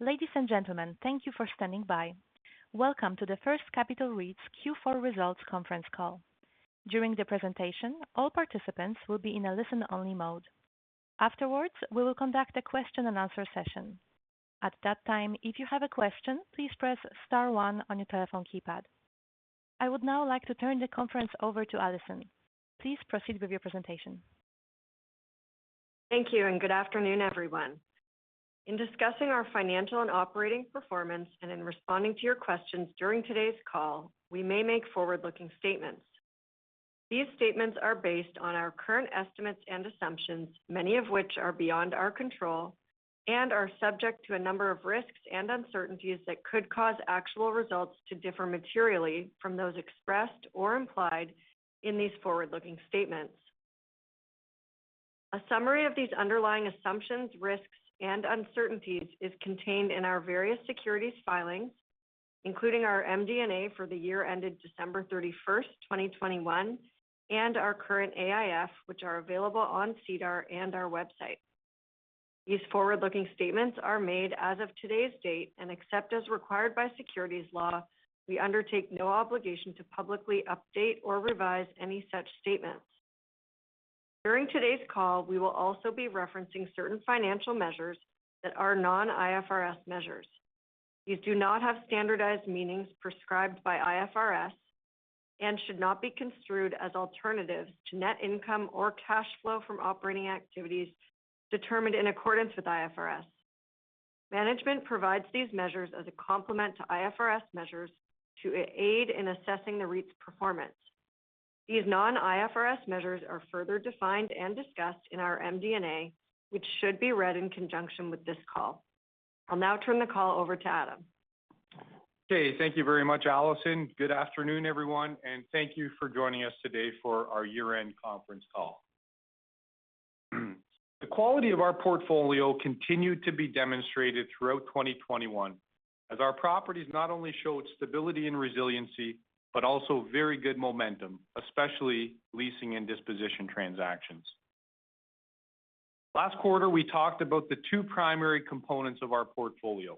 Ladies and gentlemen, thank you for standing by. Welcome to the First Capital REIT's Q4 Results Conference Call. During the presentation, all participants will be in a listen-only mode. Afterwards, we will conduct a question-and-answer session. At that time, if you have a question, please press star one on your telephone keypad. I would now like to turn the conference over to Alison. Please proceed with your presentation. Thank you and good afternoon, everyone. In discussing our financial and operating performance and in responding to your questions during today's call, we may make forward-looking statements. These statements are based on our current estimates and assumptions, many of which are beyond our control, and are subject to a number of risks and uncertainties that could cause actual results to differ materially from those expressed or implied in these forward-looking statements. A summary of these underlying assumptions, risks, and uncertainties is contained in our various securities filings, including our MD&A for the year ended December 31st, 2021, and our current AIF, which are available on SEDAR and our website. These forward-looking statements are made as of today's date, and except as required by securities law, we undertake no obligation to publicly update or revise any such statements. During today's call, we will also be referencing certain financial measures that are non-IFRS measures. These do not have standardized meanings prescribed by IFRS and should not be construed as alternatives to net income or cash flow from operating activities determined in accordance with IFRS. Management provides these measures as a complement to IFRS measures to aid in assessing the REIT's performance. These non-IFRS measures are further defined and discussed in our MD&A, which should be read in conjunction with this call. I'll now turn the call over to Adam. Okay. Thank you very much, Alison. Good afternoon, everyone, and thank you for joining us today for our year-end conference call. The quality of our portfolio continued to be demonstrated throughout 2021 as our properties not only showed stability and resiliency, but also very good momentum, especially leasing and disposition transactions. Last quarter, we talked about the two primary components of our portfolio.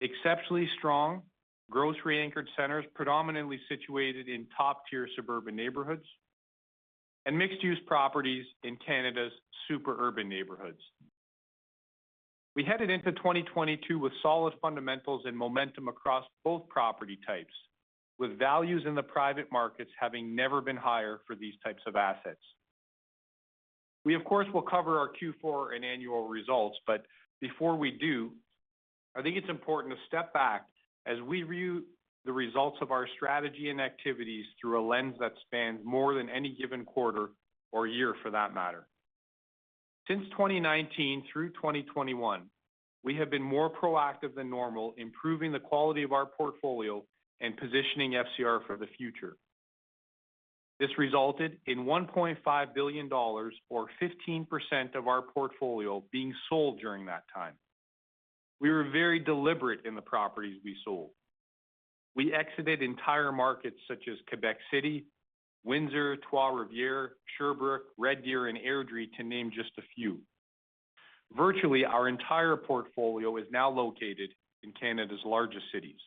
Exceptionally strong grocery-anchored centers predominantly situated in top-tier suburban neighborhoods and mixed-use properties in Canada's super urban neighborhoods. We headed into 2022 with solid fundamentals and momentum across both property types, with values in the private markets having never been higher for these types of assets. We, of course, will cover our Q4 and annual results, but before we do, I think it's important to step back as we view the results of our strategy and activities through a lens that spans more than any given quarter or year for that matter. Since 2019 through 2021, we have been more proactive than normal, improving the quality of our portfolio and positioning FCR for the future. This resulted in 1.5 billion dollars or 15% of our portfolio being sold during that time. We were very deliberate in the properties we sold. We exited entire markets such as Quebec City, Windsor, Trois-Rivières, Sherbrooke, Red Deer, and Airdrie, to name just a few. Virtually, our entire portfolio is now located in Canada's largest cities.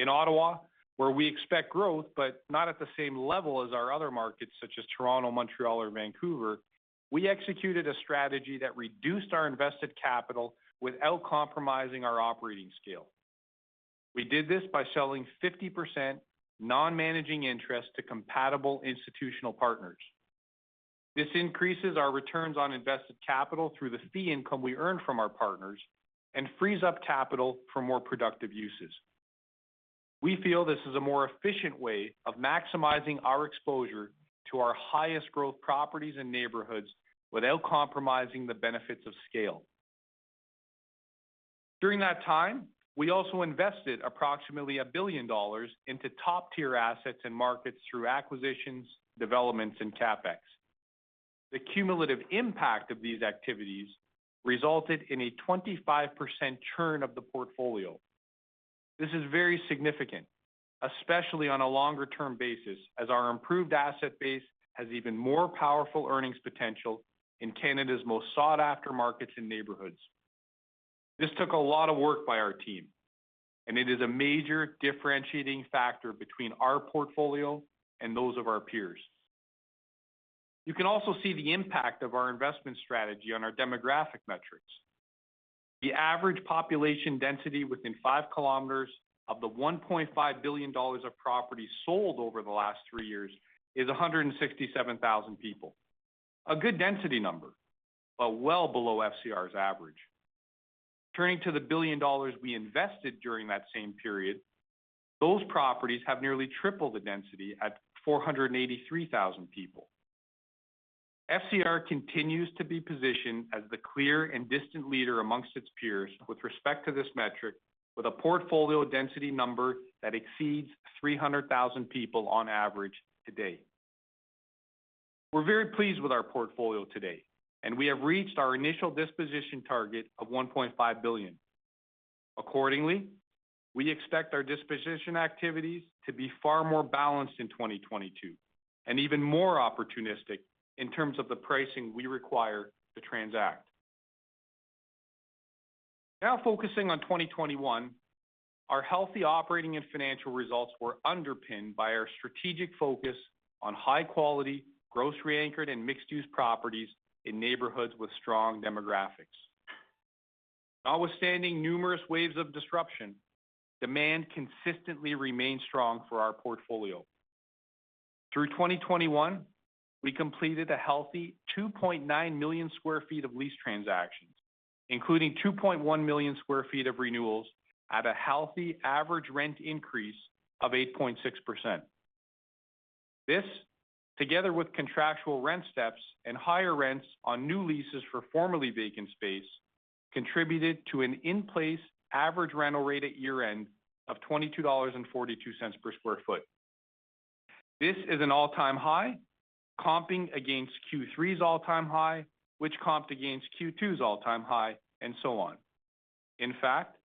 In Ottawa, where we expect growth, but not at the same level as our other markets such as Toronto, Montreal, or Vancouver, we executed a strategy that reduced our invested capital without compromising our operating scale. We did this by selling 50% non-managing interest to compatible institutional partners. This increases our returns on invested capital through the fee income we earn from our partners and frees up capital for more productive uses. We feel this is a more efficient way of maximizing our exposure to our highest growth properties and neighborhoods without compromising the benefits of scale. During that time, we also invested approximately 1 billion dollars into top-tier assets and markets through acquisitions, developments, and CapEx. The cumulative impact of these activities resulted in a 25% churn of the portfolio. This is very significant, especially on a longer-term basis, as our improved asset base has even more powerful earnings potential in Canada's most sought-after markets and neighborhoods. This took a lot of work by our team, and it is a major differentiating factor between our portfolio and those of our peers. You can also see the impact of our investment strategy on our demographic metrics. The average population density within five km of the 1.5 billion dollars of property sold over the last three years is 167,000 people. A good density number, but well below FCR's average. Turning to the 1 billion dollars we invested during that same period, those properties have nearly tripled the density at 483,000 people. FCR continues to be positioned as the clear and distant leader among its peers with respect to this metric with a portfolio density number that exceeds 300,000 people on average to date. We're very pleased with our portfolio today, and we have reached our initial disposition target of 1.5 billion. Accordingly, we expect our disposition activities to be far more balanced in 2022, and even more opportunistic in terms of the pricing we require to transact. Now focusing on 2021, our healthy operating and financial results were underpinned by our strategic focus on high quality, grocery-anchored, and mixed-use properties in neighborhoods with strong demographics. Notwithstanding numerous waves of disruption, demand consistently remained strong for our portfolio. Through 2021, we completed a healthy 2.9 million sq ft of lease transactions, including 2.1 million sq ft of renewals at a healthy average rent increase of 8.6%. This, together with contractual rent steps and higher rents on new leases for formerly vacant space, contributed to an in-place average rental rate at year-end of 22.42 dollars per sq ft. This is an all-time high, comping against Q3's all-time high, which comped against Q2's all-time high, and so on. In fact,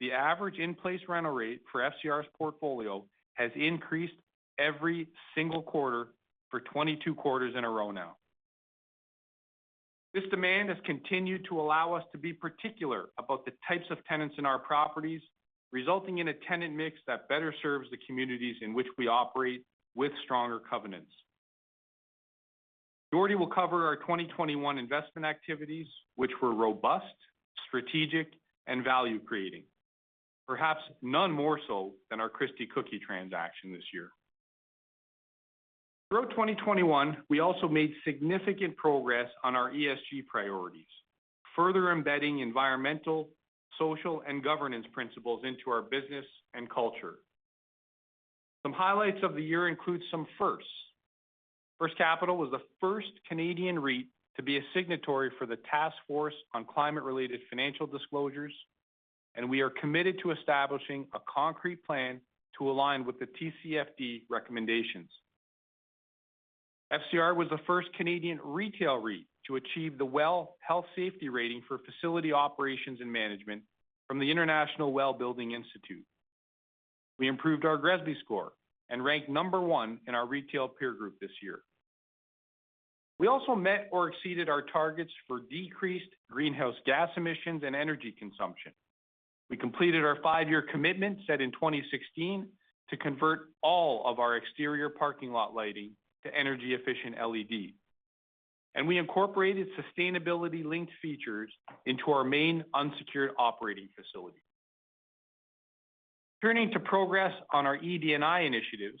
the average in-place rental rate for FCR's portfolio has increased every single quarter for 22 quarters in a row now. This demand has continued to allow us to be particular about the types of tenants in our properties, resulting in a tenant mix that better serves the communities in which we operate with stronger covenants. Jordy will cover our 2021 investment activities which were robust, strategic, and value-creating. Perhaps none more so than our Christie Cookie transaction this year. Throughout 2021, we also made significant progress on our ESG priorities, further embedding environmental, social, and governance principles into our business and culture. Some highlights of the year include some firsts. First Capital was the first Canadian REIT to be a signatory for the Task Force on Climate-related Financial Disclosures, and we are committed to establishing a concrete plan to align with the TCFD recommendations. FCR was the first Canadian retail REIT to achieve the WELL Health-Safety Rating for facility operations and management from the International WELL Building Institute. We improved our GRESB score and ranked number one in our retail peer group this year. We also met or exceeded our targets for decreased greenhouse gas emissions and energy consumption. We completed our five-year commitment set in 2016 to convert all of our exterior parking lot lighting to energy-efficient LED. We incorporated sustainability-linked features into our main unsecured operating facility. Turning to progress on our ED&I initiatives,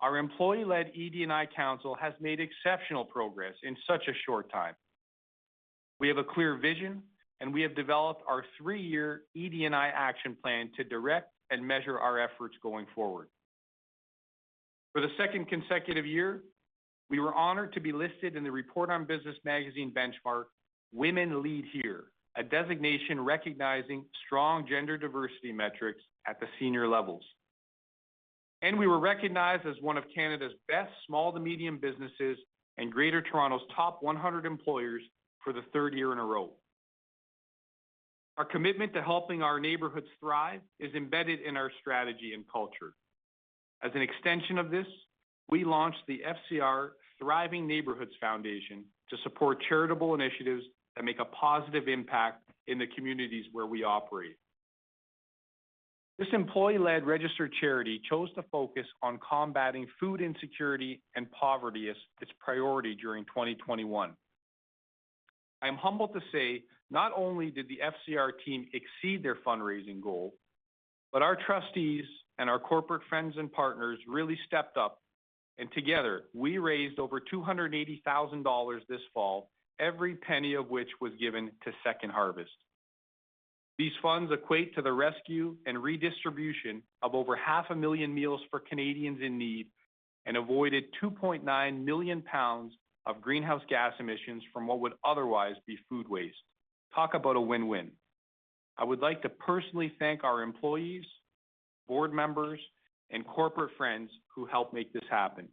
our employee-led ED&I council has made exceptional progress in such a short time. We have a clear vision, and we have developed our three-year ED&I action plan to direct and measure our efforts going forward. For the second consecutive year, we were honored to be listed in the Report on Business magazine Women Lead Here benchmark, a designation recognizing strong gender diversity metrics at the senior levels. We were recognized as one of Canada's best small to medium businesses and Greater Toronto's Top 100 Employers for the third year in a row. Our commitment to helping our neighborhoods thrive is embedded in our strategy and culture. As an extension of this, we launched the FCR Thriving Neighbourhoods Foundation to support charitable initiatives that make a positive impact in the communities where we operate. This employee-led registered charity chose to focus on combating food insecurity and poverty as its priority during 2021. I am humbled to say not only did the FCR team exceed their fundraising goal, but our trustees and our corporate friends and partners really stepped up, and together, we raised over 280,000 dollars this fall, every penny of which was given to Second Harvest. These funds equate to the rescue and redistribution of over 500,000 meals for Canadians in need and avoided 2.9 million pounds of greenhouse gas emissions from what would otherwise be food waste. Talk about a win-win. I would like to personally thank our employees, board members, and corporate friends who helped make this happen.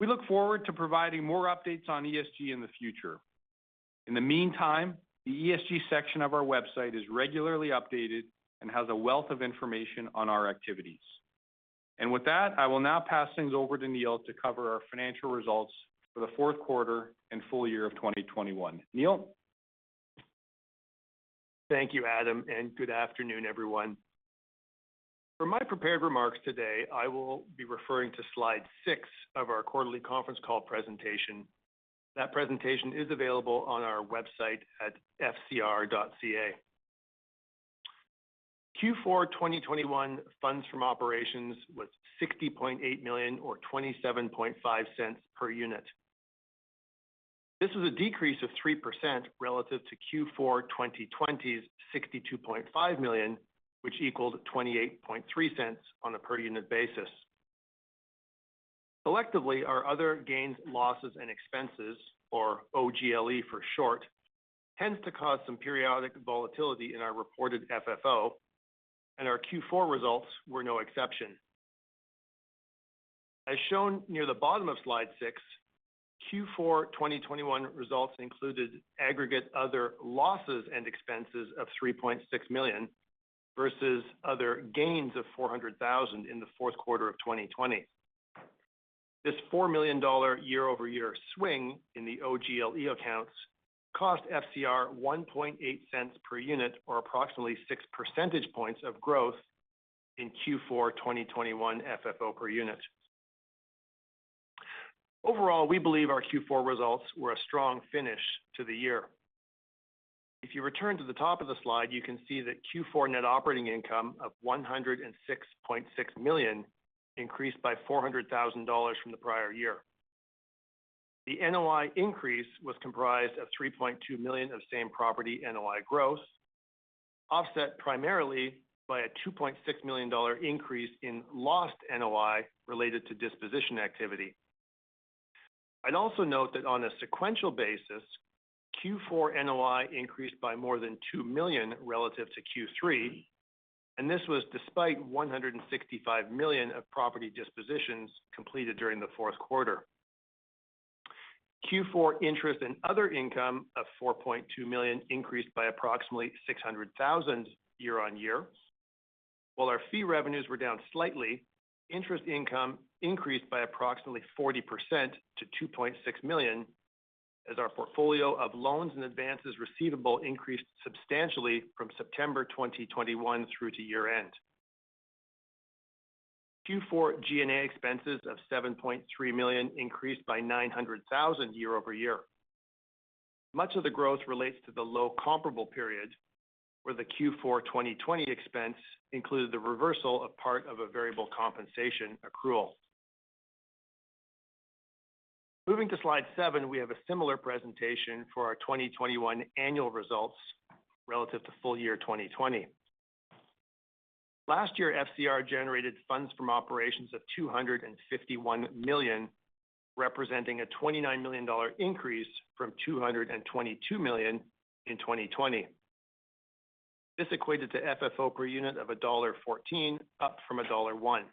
We look forward to providing more updates on ESG in the future. In the meantime, the ESG section of our website is regularly updated and has a wealth of information on our activities. With that, I will now pass things over to Neil to cover our financial results for the Q4 and full year of 2021. Neil? Thank you, Adam, and good afternoon, everyone. For my prepared remarks today, I will be referring to slide six of our quarterly conference call presentation. That presentation is available on our website at fcr.ca. Q4 2021 funds from operations was 60.8 million or 0.275 per unit. This is a decrease of 3% relative to Q4 2020's 62.5 million, which equals 0.283 on a per unit basis. Electively, our other gains, losses, and expenses, or OGLE for short, tends to cause some periodic volatility in our reported FFO, and our Q4 results were no exception. As shown near the bottom of slide six, Q4 2021 results included aggregate other losses and expenses of 3.6 million, versus other gains of 400,000 in the Q4 of 2020. This 4 million dollar year-over-year swing in the OGLE accounts cost FCR 0.018 per unit or approximately six percentage points of growth in Q4 2021 FFO per unit. Overall, we believe our Q4 results were a strong finish to the year. If you return to the top of the slide, you can see that Q4 net operating income of 106.6 million increased by 400,000 dollars from the prior year. The NOI increase was comprised of 3.2 million of same-property NOI growth, offset primarily by a 2.6 million dollar increase in lost NOI related to disposition activity. I'd also note that on a sequential basis, Q4 NOI increased by more than 2 million relative to Q3, and this was despite 165 million of property dispositions completed during the Q4. Q4 interest and other income of 4.2 million increased by approximately 600,000 year-on-year. While our fee revenues were down slightly, interest income increased by approximately 40% to 2.6 million as our portfolio of loans and advances receivable increased substantially from September 2021 through to year-end. Q4 G&A expenses of 7.3 million increased by 900,000 year-over-year. Much of the growth relates to the low comparable period where the Q4 2020 expense included the reversal of part of a variable compensation accrual. Moving to slide seven, we have a similar presentation for our 2021 annual results relative to full year 2020. Last year, FCR generated funds from operations of 251 million, representing a 29 million dollar increase from 222 million in 2020. This equated to FFO per unit of dollar 1.14, up from dollar 1.01.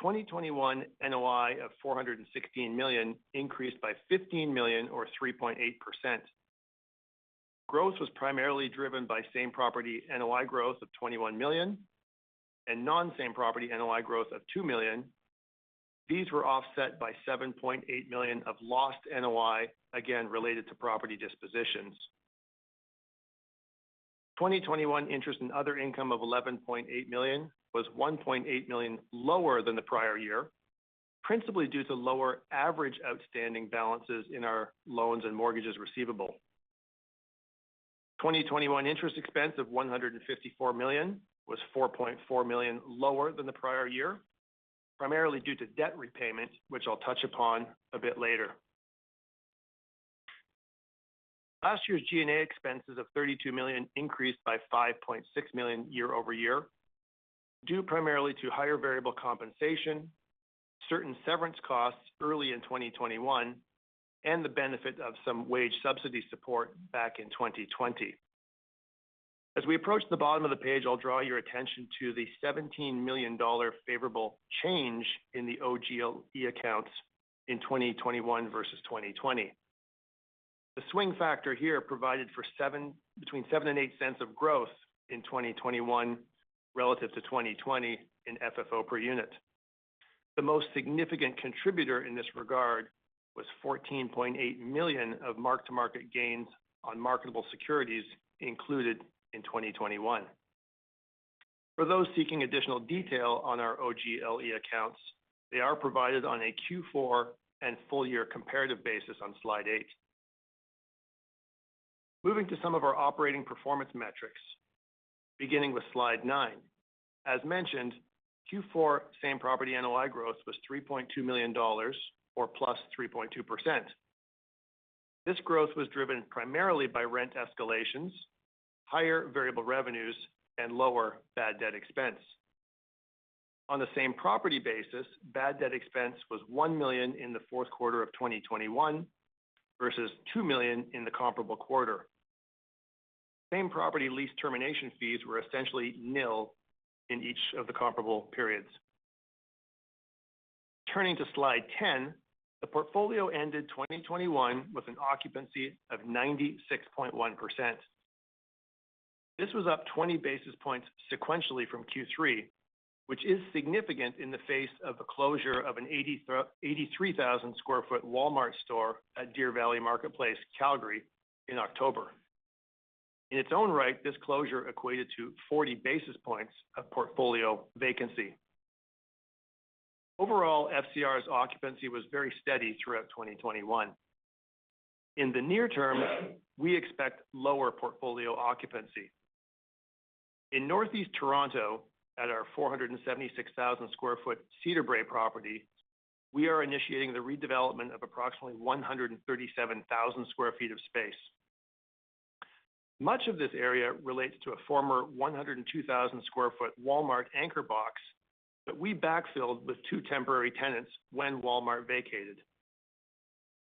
2021 NOI of 416 million increased by 15 million or 3.8%. Growth was primarily driven by same-property NOI growth of 21 million and non-same property NOI growth of 2 million. These were offset by 7.8 million of lost NOI, again related to property dispositions. 2021 interest and other income of 11.8 million was 1.8 million lower than the prior year, principally due to lower average outstanding balances in our loans and mortgages receivable. 2021 interest expense of 154 million was 4.4 million lower than the prior year, primarily due to debt repayment, which I'll touch upon a bit later. Last year's G&A expenses of 32 million increased by 5.6 million year over year, due primarily to higher variable compensation, certain severance costs early in 2021, and the benefit of some wage subsidy support back in 2020. As we approach the bottom of the page, I'll draw your attention to the 17 million dollar favorable change in the OGLE accounts in 2021 versus 2020. The swing factor here provided for between 0.7 and 0.8 of growth in 2021 relative to 2020 in FFO per unit. The most significant contributor in this regard was 14.8 million of mark-to-market gains on marketable securities included in 2021. For those seeking additional detail on our OGLE accounts, they are provided on a Q4 and full year comparative basis on slide eight. Moving to some of our operating performance metrics, beginning with slide nine. As mentioned, Q4 same-property NOI growth was 3.2 million dollars or +3.2%. This growth was driven primarily by rent escalations, higher variable revenues, and lower bad debt expense. On the same property basis, bad debt expense was 1 million in the Q4 of 2021 versus 2 million in the comparable quarter. Same property lease termination fees were essentially nil in each of the comparable periods. Turning to slide 10, the portfolio ended 2021 with an occupancy of 96.1%. This was up 20 basis points sequentially from Q3, which is significant in the face of the closure of an 83,000 sq ft Walmart store at Deer Valley Marketplace, Calgary in October. In its own right, this closure equated to 40 basis points of portfolio vacancy. Overall, FCR's occupancy was very steady throughout 2021. In the near term, we expect lower portfolio occupancy. In Northeast Toronto at our 476,000 sq ft Cedarbrae property, we are initiating the redevelopment of approximately 137,000 sq ft of space. Much of this area relates to a former 102,000 sq ft Walmart anchor box that we backfilled with two temporary tenants when Walmart vacated.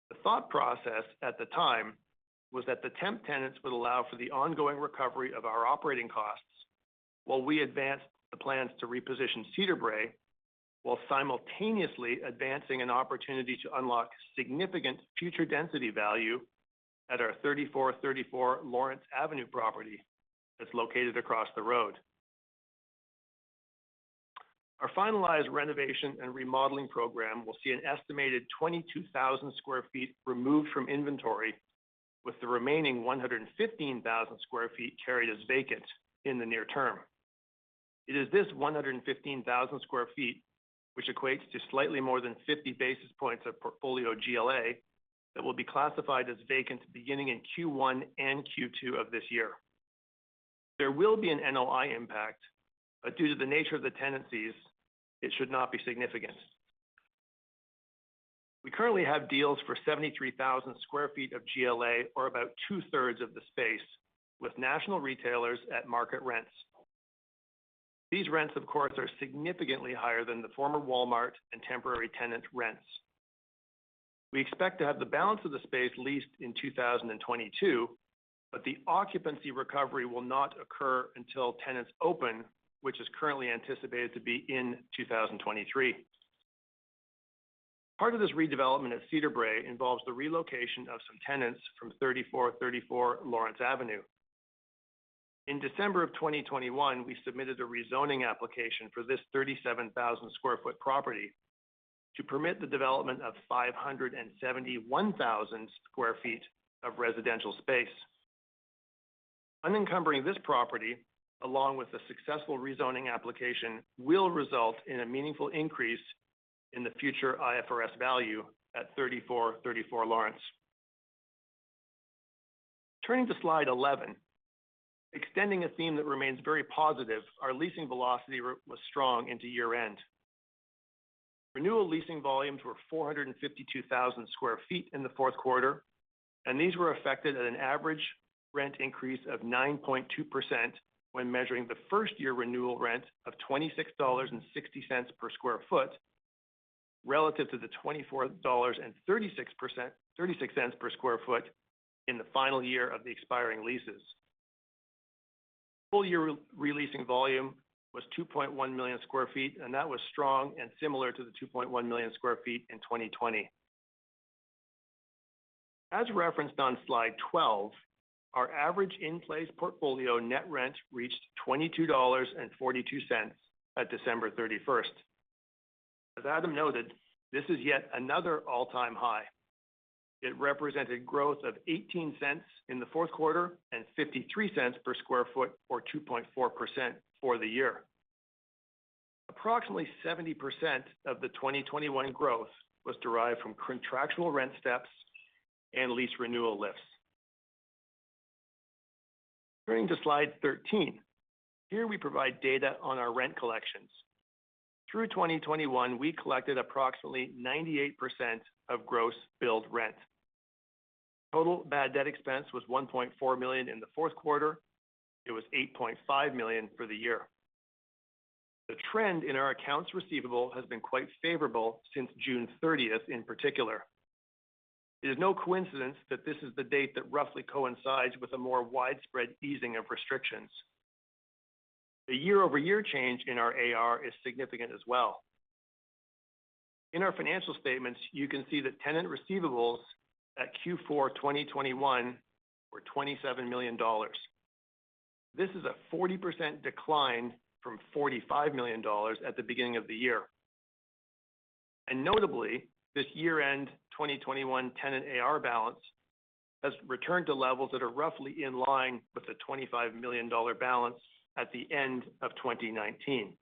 The thought process at the time was that the temp tenants would allow for the ongoing recovery of our operating costs while we advanced the plans to reposition Cedarbrae, while simultaneously advancing an opportunity to unlock significant future density value at our 3434 Lawrence Avenue property that's located across the road. Our finalized renovation and remodeling program will see an estimated 22,000 sq ft removed from inventory, with the remaining 115,000 sq ft carried as vacant in the near term. It is this 115,000 sq ft, which equates to slightly more than 50 basis points of portfolio GLA, that will be classified as vacant beginning in Q1 and Q2 of this year. There will be an NOI impact, but due to the nature of the tenancies, it should not be significant. We currently have deals for 73,000 sq ft of GLA, or about 2/3 of the space, with national retailers at market rents. These rents, of course, are significantly higher than the former Walmart and temporary tenant rents. We expect to have the balance of the space leased in 2022, but the occupancy recovery will not occur until tenants open, which is currently anticipated to be in 2023. Part of this redevelopment at Cedarbrae involves the relocation of some tenants from 3434 Lawrence Avenue. In December 2021, we submitted a rezoning application for this 37,000 sq ft property to permit the development of 571,000 sq ft of residential space. Unencumbering this property, along with the successful rezoning application, will result in a meaningful increase in the future IFRS value at 3434 Lawrence. Turning to slide 11. Extending a theme that remains very positive, our leasing velocity was strong into year-end. Renewal leasing volumes were 452,000 sq ft in the Q4, and these were effected at an average rent increase of 9.2% when measuring the first year renewal rent of 26.60 dollars per sq ft relative to the 24.36 dollars per sq ft in the final year of the expiring leases. Full year re-leasing volume was 2.1 million sq ft, and that was strong and similar to the 2.1 million sq ft in 2020. As referenced on slide 12, our average in-place portfolio net rent reached 22.42 dollars at December 31st. As Adam noted, this is yet another all-time high. It represented growth of 0.18 in the Q4 and 0.53 per sq ft or 2.4% for the year. Approximately 70% of the 2021 growth was derived from contractual rent steps and lease renewal lifts. Turning to slide 13. Here we provide data on our rent collections. Through 2021, we collected approximately 98% of gross billed rent. Total bad debt expense was 1.4 million in the Q4. It was 8.5 million for the year. The trend in our accounts receivable has been quite favorable since June 30th in particular. It is no coincidence that this is the date that roughly coincides with a more widespread easing of restrictions. The year-over-year change in our AR is significant as well. In our financial statements, you can see that tenant receivables at Q4 2021 were CAD 27 million. This is a 40% decline from 45 million dollars at the beginning of the year. Notably, this year-end 2021 tenant AR balance has returned to levels that are roughly in line with the 25 million dollar balance at the end of 2019.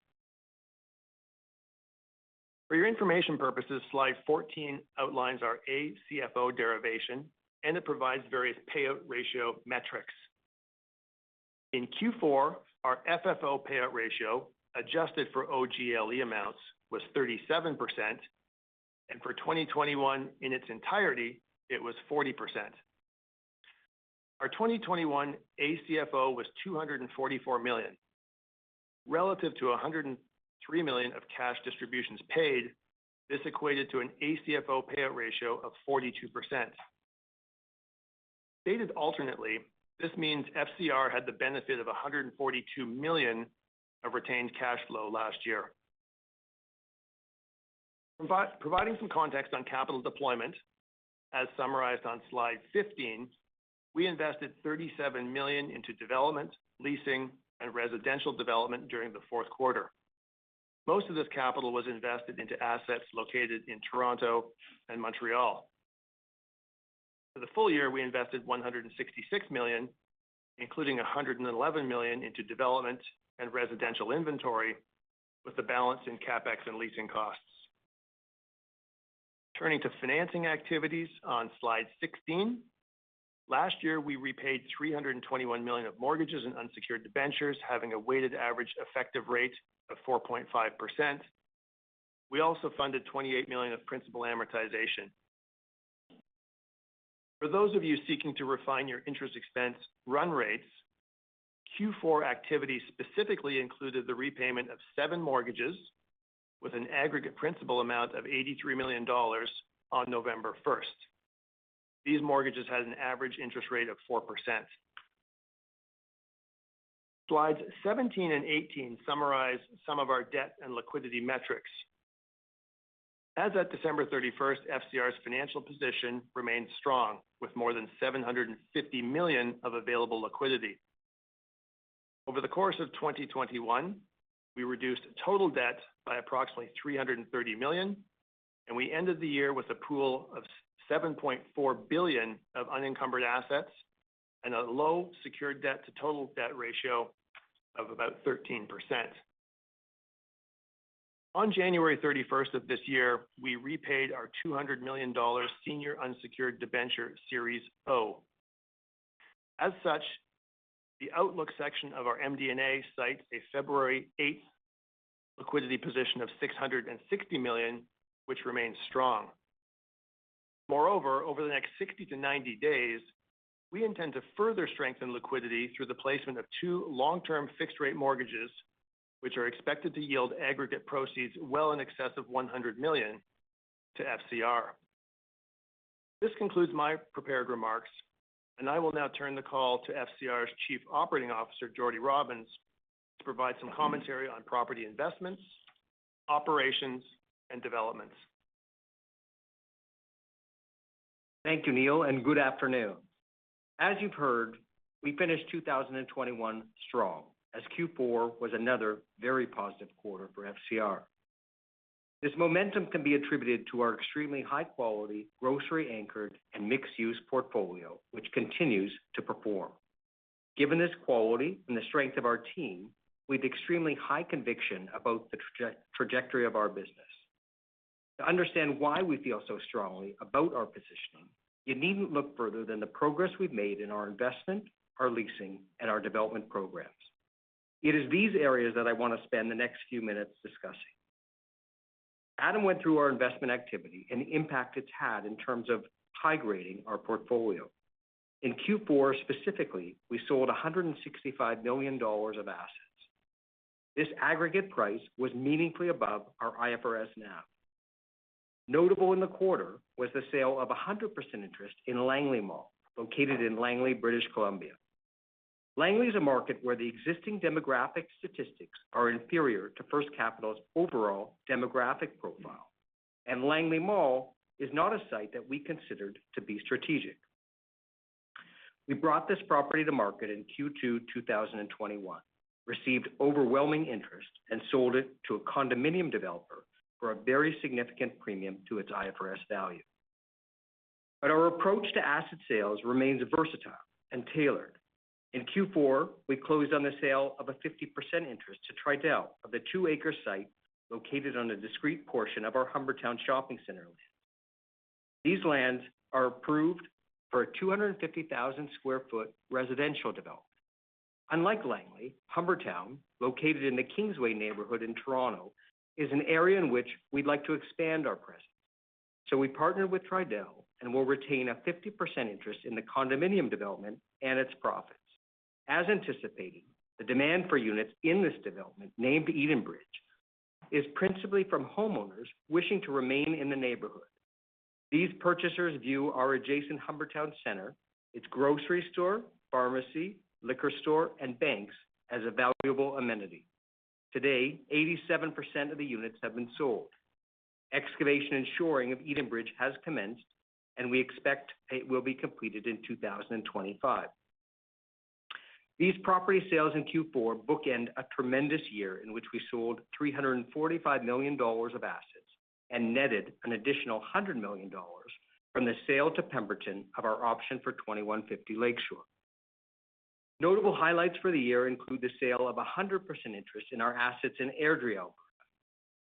For your information purposes, slide 14 outlines our ACFO derivation, and it provides various payout ratio metrics. In Q4, our FFO payout ratio, adjusted for OGLE amounts, was 37%, and for 2021 in its entirety, it was 40%. Our 2021 ACFO was 244 million. Relative to 103 million of cash distributions paid, this equated to an ACFO payout ratio of 42%. Stated alternately, this means FCR had the benefit of 142 million of retained cash flow last year. Providing some context on capital deployment, as summarized on slide 15, we invested 37 million into development, leasing, and residential development during the Q4. Most of this capital was invested into assets located in Toronto and Montreal. For the full year, we invested 166 million, including 111 million into development and residential inventory, with the balance in CapEx and leasing costs. Turning to financing activities on slide 16. Last year, we repaid 321 million of mortgages and unsecured debentures, having a weighted average effective rate of 4.5%. We also funded 28 million of principal amortization. For those of you seeking to refine your interest expense run rates. Q4 activity specifically included the repayment of seven mortgages with an aggregate principal amount of 83 million dollars on November 1st. These mortgages had an average interest rate of 4%. Slides 17 and 18 summarize some of our debt and liquidity metrics. As of December 31st, FCR's financial position remains strong, with more than 750 million of available liquidity. Over the course of 2021, we reduced total debt by approximately 330 million, and we ended the year with a pool of 7.4 billion of unencumbered assets and a low secured debt to total debt ratio of about 13%. On January 31st of this year, we repaid our 200 million dollars senior unsecured debenture Series O. As such, the outlook section of our MD&A cites a February 8 liquidity position of 660 million, which remains strong. Moreover, over the next 60-90 days, we intend to further strengthen liquidity through the placement of two long-term fixed rate mortgages, which are expected to yield aggregate proceeds well in excess of 100 million to FCR. This concludes my prepared remarks, and I will now turn the call to FCR's Chief Operating Officer, Jordan Robins, to provide some commentary on property investments, operations, and developments. Thank you, Neil, and good afternoon. As you've heard, we finished 2021 strong as Q4 was another very positive quarter for FCR. This momentum can be attributed to our extremely high quality, grocery anchored, and mixed-use portfolio, which continues to perform. Given this quality and the strength of our team, we've extremely high conviction about the trajectory of our business. To understand why we feel so strongly about our positioning, you needn't look further than the progress we've made in our investment, our leasing, and our development programs. It is these areas that I want to spend the next few minutes discussing. Adam went through our investment activity and the impact it's had in terms of high-grading our portfolio. In Q4, specifically, we sold 165 million dollars of assets. This aggregate price was meaningfully above our IFRS NAV. Notable in the quarter was the sale of 100% interest in Langley Mall, located in Langley, British Columbia. Langley is a market where the existing demographic statistics are inferior to First Capital's overall demographic profile, and Langley Mall is not a site that we considered to be strategic. We brought this property to market in Q2 2021, received overwhelming interest, and sold it to a condominium developer for a very significant premium to its IFRS value. Our approach to asset sales remains versatile and tailored. In Q4, we closed on the sale of a 50% interest to Tridel of the two-acre site located on a discrete portion of our Humbertown Shopping Centre. These lands are approved for a 250,000 sq ft residential development. Unlike Langley, Humbertown, located in the Kingsway neighborhood in Toronto, is an area in which we'd like to expand our presence. We partnered with Tridel and will retain a 50% interest in the condominium development and its profits. As anticipated, the demand for units in this development, named Edenbridge, is principally from homeowners wishing to remain in the neighborhood. These purchasers view our adjacent Humbertown Centre, its grocery store, pharmacy, liquor store, and banks, as a valuable amenity. Today, 87% of the units have been sold. Excavation and shoring of Edenbridge has commenced, and we expect it will be completed in 2025. These property sales in Q4 bookend a tremendous year in which we sold 345 million dollars of assets and netted an additional 100 million dollars from the sale to Pemberton of our option for 2150 Lake Shore. Notable highlights for the year include the sale of 100% interest in our assets in Airdrie, Alberta.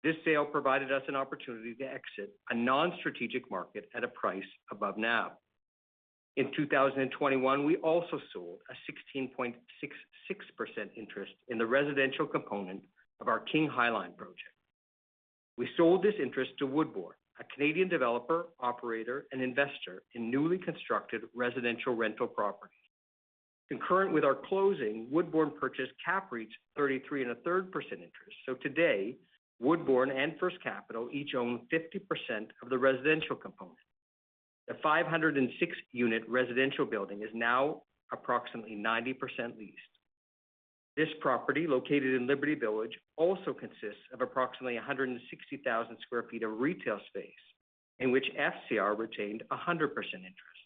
This sale provided us an opportunity to exit a non-strategic market at a price above NAV. In 2021, we also sold a 16.66% interest in the residential component of our King High Line project. We sold this interest to Woodbourne, a Canadian developer, operator, and investor in newly constructed residential rental properties. Concurrent with our closing, Woodbourne purchased CAPREIT's 33 1/3% interest. Today, Woodbourne and First Capital each own 50% of the residential component. The 560-unit residential building is now approximately 90% leased. This property, located in Liberty Village, also consists of approximately 160,000 sq ft of retail space in which FCR retained 100% interest.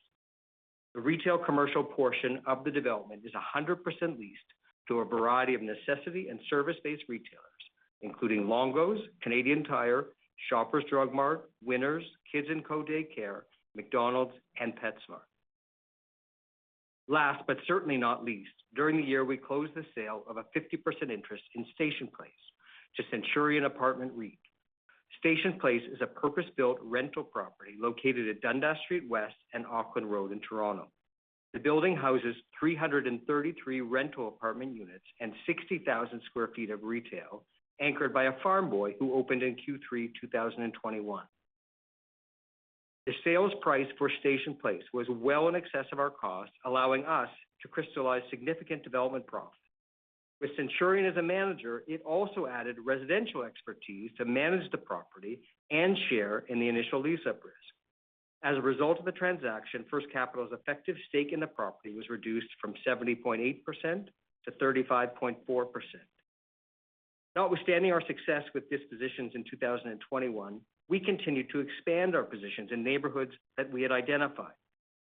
The retail commercial portion of the development is 100% leased to a variety of necessity and service-based retailers, including Longo's, Canadian Tire, Shoppers Drug Mart, Winners, Kids & Company, McDonald's, and PetSmart. Last, but certainly not least, during the year, we closed the sale of a 50% interest in Station Place to Centurion Apartment REIT. Station Place is a purpose-built rental property located at Dundas Street West and Auckland Road in Toronto. The building houses 333 rental apartment units and 60,000 sq ft of retail, anchored by a Farm Boy who opened in Q3 2021. The sales price for Station Place was well in excess of our cost, allowing us to crystallize significant development profit. With Centurion as a manager, it also added residential expertise to manage the property and share in the initial lease-up risk. As a result of the transaction, First Capital's effective stake in the property was reduced from 70.8%-35.4%. Notwithstanding our success with dispositions in 2021, we continued to expand our positions in neighborhoods that we had identified.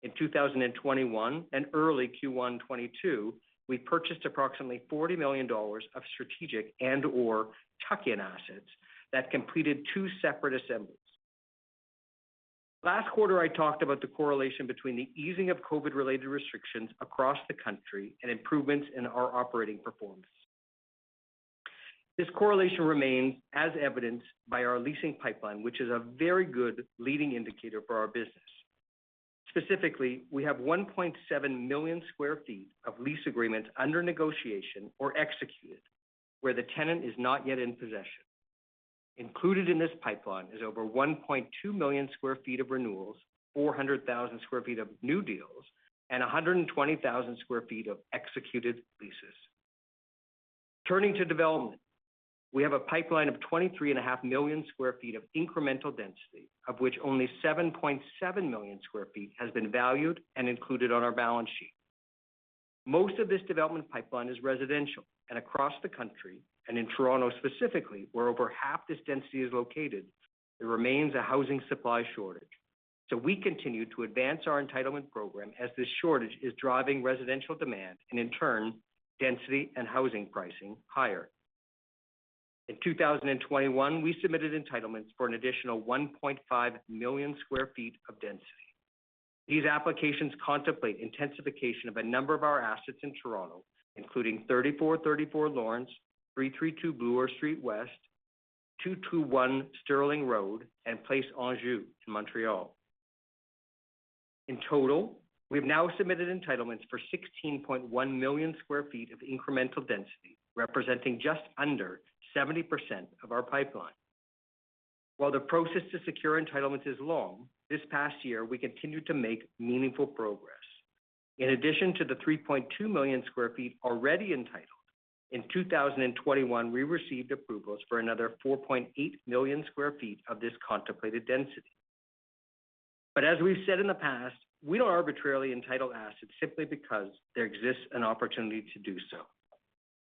In 2021 and early Q1 2022, we purchased approximately 40 million dollars of strategic and/or tuck-in assets that completed two separate assemblies. Last quarter, I talked about the correlation between the easing of COVID-related restrictions across the country and improvements in our operating performance. This correlation remains as evidenced by our leasing pipeline, which is a very good leading indicator for our business. Specifically, we have 1.7 million sq ft of lease agreements under negotiation or executed where the tenant is not yet in possession. Included in this pipeline is over 1.2 million sq ft of renewals, 400,000 sq ft of new deals, and 120,000 sq ft of executed leases. Turning to development, we have a pipeline of 23.5 million sq ft of incremental density, of which only 7.7 million sq ft has been valued and included on our balance sheet. Most of this development pipeline is residential, and across the country, and in Toronto specifically, where over half this density is located, there remains a housing supply shortage. We continue to advance our entitlement program as this shortage is driving residential demand and in turn, density and housing pricing higher. In 2021, we submitted entitlements for an additional 1.5 million sq ft of density. These applications contemplate intensification of a number of our assets in Toronto, including 3434 Lawrence, 332 Bloor Street West, 221 Sterling Road, and Place Anjou in Montreal. In total, we've now submitted entitlements for 16.1 million sq ft of incremental density, representing just under 70% of our pipeline. While the process to secure entitlements is long, this past year we continued to make meaningful progress. In addition to the 3.2 million sq ft already entitled, in 2021, we received approvals for another 4.8 million sq ft of this contemplated density. As we've said in the past, we don't arbitrarily entitle assets simply because there exists an opportunity to do so.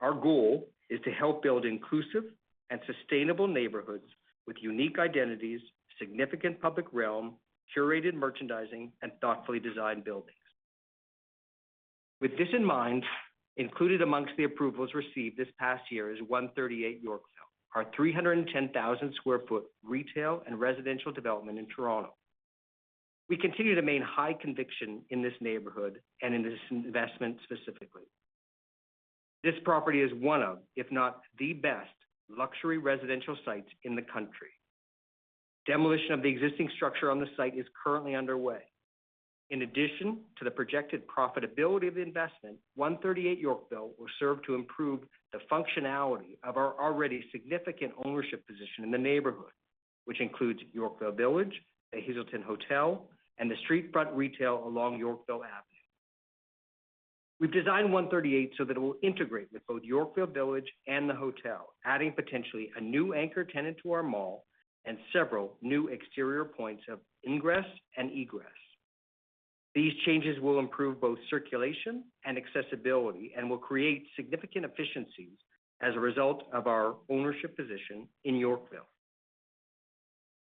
Our goal is to help build inclusive and sustainable neighborhoods with unique identities, significant public realm, curated merchandising, and thoughtfully designed buildings. With this in mind, included amongst the approvals received this past year is 138 Yorkville, our 310,000 sq ft retail and residential development in Toronto. We continue to maintain high conviction in this neighborhood and in this investment specifically. This property is one of, if not the best luxury residential sites in the country. Demolition of the existing structure on the site is currently underway. In addition to the projected profitability of the investment, 138 Yorkville will serve to improve the functionality of our already significant ownership position in the neighborhood, which includes Yorkville Village, the Hazelton Hotel, and the street front retail along Yorkville Avenue. We've designed 138 so that it will integrate with both Yorkville Village and the hotel, adding potentially a new anchor tenant to our mall and several new exterior points of ingress and egress. These changes will improve both circulation and accessibility and will create significant efficiencies as a result of our ownership position in Yorkville.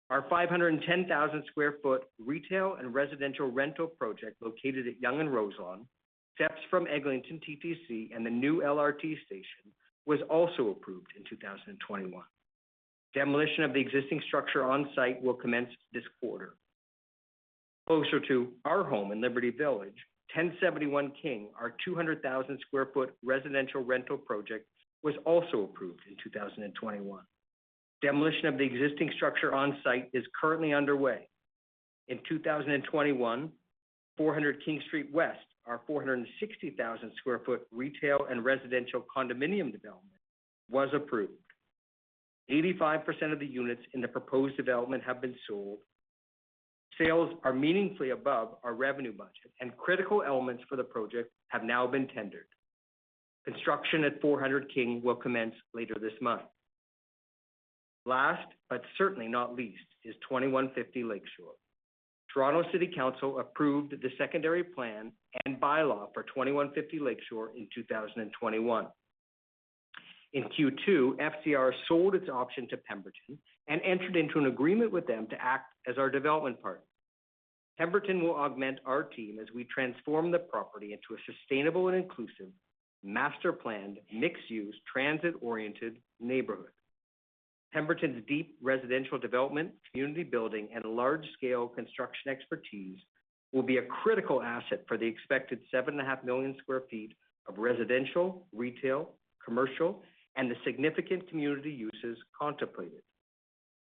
Our 510,000 sq ft retail and residential rental project located at Yonge and Roselawn, steps from Eglinton TTC and the new LRT station, was also approved in 2021. Demolition of the existing structure on site will commence this quarter. Closer to our home in Liberty Village, 1,071 King, our 200,000 sq ft residential rental project was also approved in 2021. Demolition of the existing structure on site is currently underway. In 2021, 400 King Street West, our 460,000 sq ft retail and residential condominium development was approved. 85% of the units in the proposed development have been sold. Sales are meaningfully above our revenue budget, and critical elements for the project have now been tendered. Construction at 400 King will commence later this month. Last, but certainly not least, is 2150 Lake Shore. Toronto City Council approved the secondary plan and bylaw for 2150 Lake Shore in 2021. In Q2, FCR sold its option to Pemberton and entered into an agreement with them to act as our development partner. Pemberton will augment our team as we transform the property into a sustainable and inclusive master planned, mixed-use, transit-oriented neighborhood. Pemberton's deep residential development, community building, and large-scale construction expertise will be a critical asset for the expected 7.5 million sq ft of residential, retail, commercial, and the significant community uses contemplated.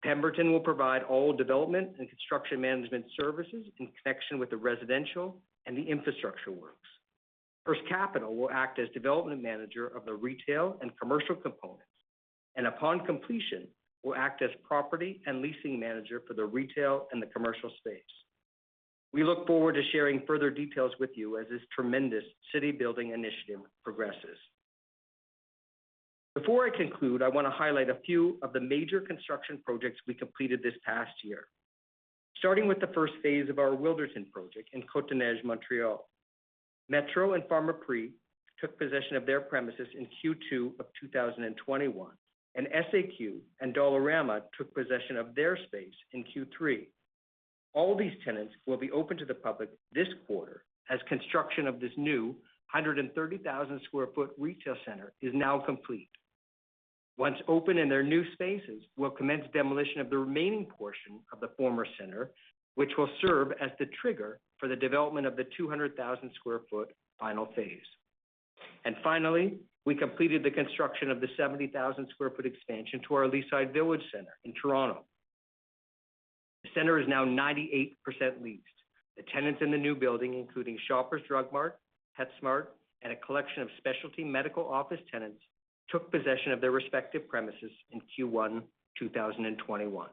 Pemberton will provide all development and construction management services in connection with the residential and the infrastructure works. First Capital will act as development manager of the retail and commercial components, and upon completion, will act as property and leasing manager for the retail and the commercial space. We look forward to sharing further details with you as this tremendous city-building initiative progresses. Before I conclude, I want to highlight a few of the major construction projects we completed this past year. Starting with the first phase of our Wilderton project in Côte-des-Neiges, Montreal. Metro and Pharmaprix took possession of their premises in Q2 of 2021, and SAQ and Dollarama took possession of their space in Q3. All these tenants will be open to the public this quarter as construction of this new 130,000 sq ft retail center is now complete. Once open in their new spaces, we'll commence demolition of the remaining portion of the former center, which will serve as the trigger for the development of the 200,000 sq ft final phase. Finally, we completed the construction of the 70,000 sq ft expansion to our Leaside Village Centre in Toronto. The center is now 98% leased. The tenants in the new building, including Shoppers Drug Mart, PetSmart, and a collection of specialty medical office tenants, took possession of their respective premises in Q1 2021.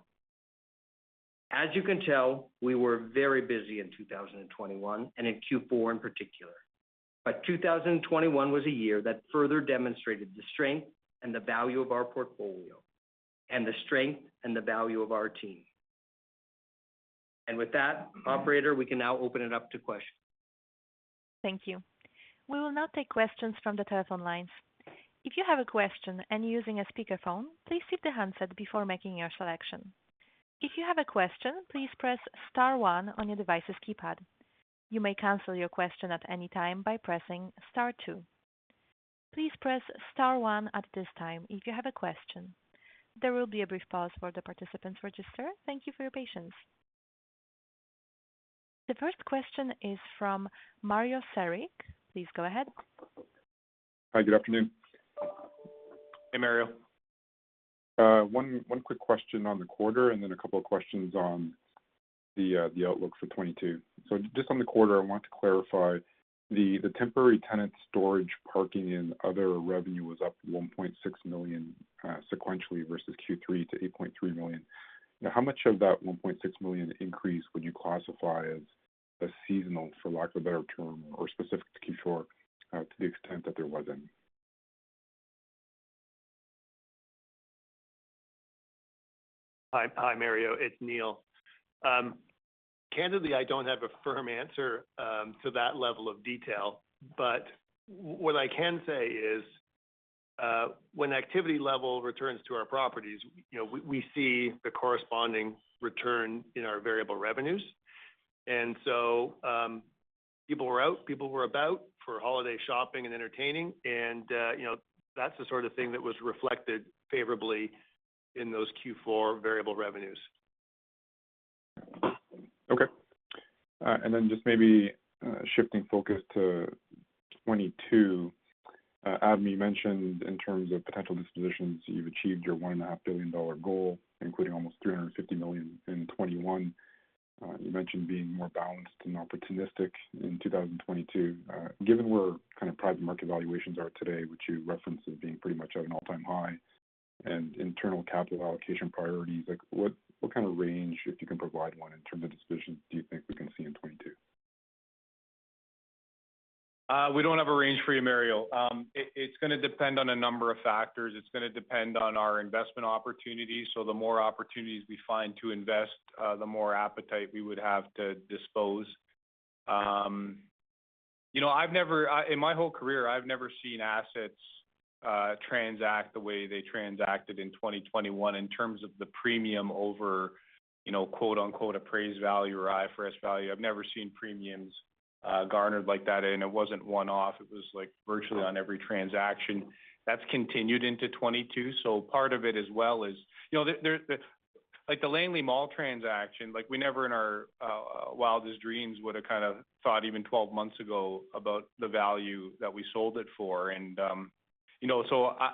As you can tell, we were very busy in 2021, and in Q4 in particular. 2021 was a year that further demonstrated the strength and the value of our portfolio, and the strength and the value of our team. With that, operator, we can now open it up to questions. Thank you. We will now take questions from the telephone lines. If you have a question and you're using a speakerphone, please hit the handset before making your selection. If you have a question, please press star one on your device's keypad. You may cancel your question at any time by pressing star two. Please press star one at this time if you have a question. There will be a brief pause for the participants to register. Thank you for your patience. The first question is from Mario Saric. Please go ahead. Hi, good afternoon. Hey, Mario. One quick question on the quarter, and then a couple of questions on the outlook for 2022. Just on the quarter, I want to clarify the temporary tenant storage parking and other revenue was up 1.6 million sequentially versus Q3 to 8.3 million. Now, how much of that 1.6 million increase would you classify as seasonal, for lack of a better term, or specific to Q4, to the extent that there wasn't? Hi. Hi, Mario. It's Neil. Candidly, I don't have a firm answer to that level of detail, but what I can say is, when activity level returns to our properties, you know, we see the corresponding return in our variable revenues. People were out, people were about for holiday shopping and entertaining and, you know, that's the sort of thing that was reflected favorably in those Q4 variable revenues. Okay. Just maybe shifting focus to 2022. Adam mentioned in terms of potential dispositions, you've achieved your 1.5 billion dollar goal, including almost 350 million in 2021. You mentioned being more balanced and opportunistic in 2022. Given where kind of private market valuations are today, which you referenced as being pretty much at an all-time high, and internal capital allocation priorities, like what kind of range, if you can provide one, in terms of dispositions do you think we can see in 2022? We don't have a range for you, Mario. It's gonna depend on a number of factors. It's gonna depend on our investment opportunities. The more opportunities we find to invest, the more appetite we would have to dispose. You know, I've never in my whole career, I've never seen assets transact the way they transacted in 2021 in terms of the premium over, you know, quote-unquote, appraised value or IFRS value. I've never seen premiums garnered like that, and it wasn't one-off. It was like virtually on every transaction. That's continued into 2022. Part of it as well is, you know, like the Langley Mall transaction, like we never in our wildest dreams would have kind of thought even 12 months ago about the value that we sold it for. You know,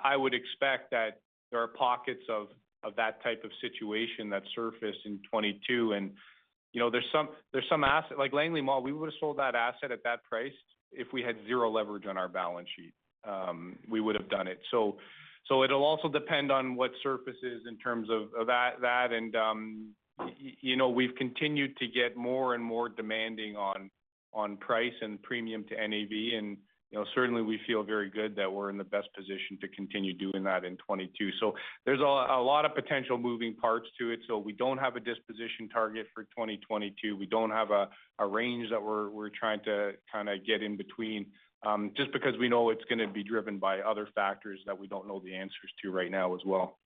I would expect that there are pockets of that type of situation that surface in 2022. You know, there's some asset like Langley Mall. We would have sold that asset at that price if we had zero leverage on our balance sheet. We would have done it. It'll also depend on what surfaces in terms of that. You know, we've continued to get more and more demanding on price and premium to NAV. You know, certainly we feel very good that we're in the best position to continue doing that in 2022. There's a lot of potential moving parts to it. We don't have a disposition target for 2022. We don't have a range that we're trying to kind of get in between, just because we know it's gonna be driven by other factors that we don't know the answers to right now as well.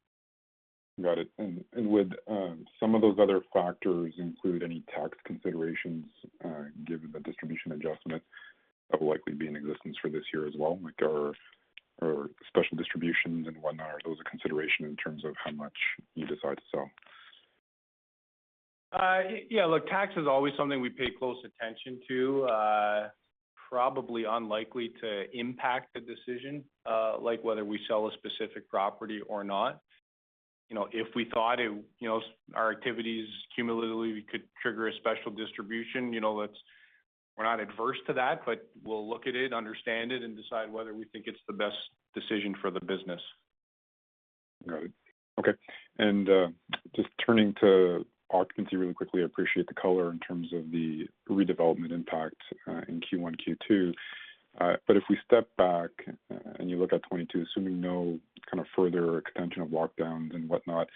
Got it. Would some of those other factors include any tax considerations, given the distribution adjustment that will likely be in existence for this year as well, like or special distributions and whatnot? Are those a consideration in terms of how much you decide to sell? Yeah, look, tax is always something we pay close attention to. Probably unlikely to impact the decision, like whether we sell a specific property or not. You know, if we thought it, you know, our activities cumulatively could trigger a special distribution, you know. We're not adverse to that, but we'll look at it, understand it, and decide whether we think it's the best decision for the business. Got it. Okay. Just turning to occupancy really quickly. I appreciate the color in terms of the redevelopment impact in Q1, Q2. If we step back and you look at 2022, assuming no kind of further extension of lockdowns and whatnot,